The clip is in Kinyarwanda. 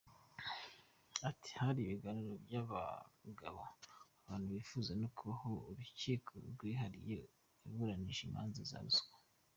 Ati “Hari ibiganiro byabagaho abantu bakifuza ko habaho urukiko rwihariye ruburanisha imanza za ruswa.